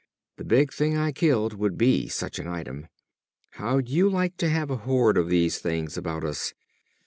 The big thing I killed would be such an item. How'd you like to have a horde of these things about us?